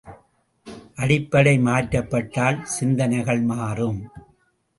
அடிப்படை மாற்றப்பட்டால், சிந்தனைகள் மாறும்.